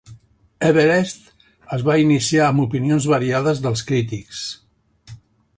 "Everest" es va iniciar amb opinions variades dels crítics.